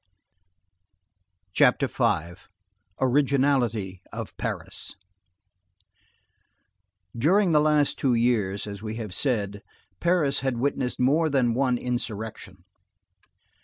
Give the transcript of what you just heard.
CHAPTER V—ORIGINALITY OF PARIS During the last two years, as we have said, Paris had witnessed more than one insurrection.